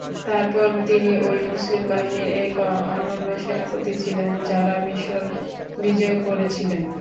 তারপর তিনি ঐ মুসলিম বাহিনীর এক অনন্য সেনাপতি ছিলেন যাঁরা মিসর বিজয় করেছিলেন।